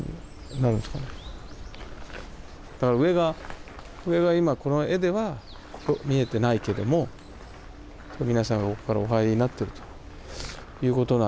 上が今この絵では見えてないけども皆さんがここからお入りになってるということなんですかね。